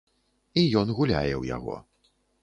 І ён гуляе ў яго.